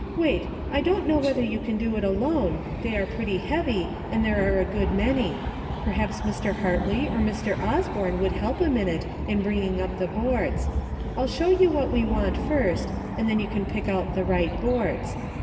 Wait, I don't know whether you can do it alone, they are pretty heavy and there are a good many. Perhaps Mr. Hartley or Mr. Os born would help a minute in bringing up the boards. I'll show you what we want first, and then you can pick out the right boards.